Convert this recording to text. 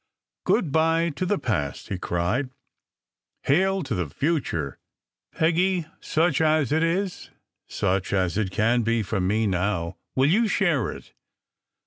" Good bye to the past !" he cried. "Hail to the future ! Peggy, such as it is, such as it can be for me now, will you share it?"